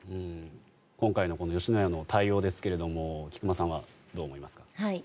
今回の吉野家の対応ですが菊間さんはどう思いますか？